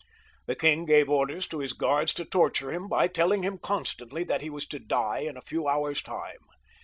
The king gave orders to his guards to torture him by telling him XXVI.] yOHN (LE BON), 167 constantly that he was to die in a few hours* time.